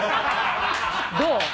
どう？